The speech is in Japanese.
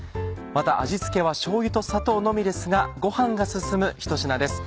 また味付けはしょうゆと砂糖のみですがご飯が進むひと品です。